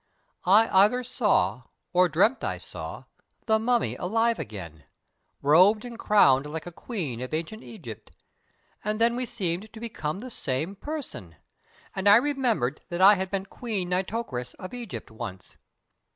I either saw, or dreamt I saw, the Mummy alive again, robed and crowned like a queen of ancient Egypt; and then we seemed to become the same person, and I remembered that I had been Queen Nitocris of Egypt once.